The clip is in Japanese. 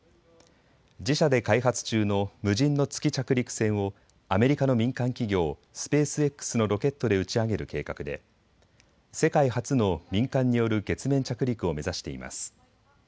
自社で開発中の無人の月着陸船をアメリカの民間企業、スペースＸのロケットで打ち上げる計画で世界初の民間による月面着陸を目指しています。